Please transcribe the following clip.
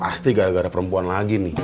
pasti gak ada perempuan lagi nih